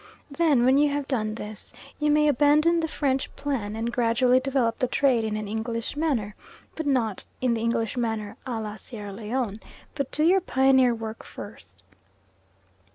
Then, when you have done this, you may abandon the French plan, and gradually develop the trade in an English manner, but not in the English manner a la Sierra Leone. But do your pioneer work first.